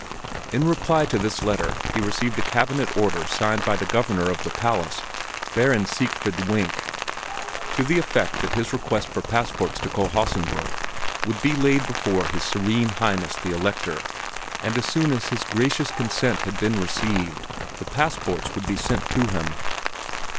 In reply to this letter he received a cabinet order signed by the Governor of the Palace, Baron Siegfried Wenk, to the effect that his request for passports to Kohlhaasenbrück would be laid before his serene highness the Elector, and as soon as his gracious consent had been received the passports would be sent to him.